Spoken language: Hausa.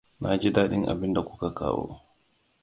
Na ji daɗin abinda kuka kawo.